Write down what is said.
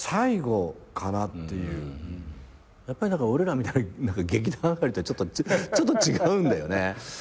やっぱり俺らみたいな劇団上がりとはちょっと違うんだよね。